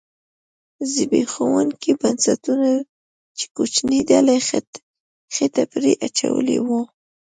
زبېښوونکو بنسټونو چې کوچنۍ ډلې خېټه پرې اچولې وه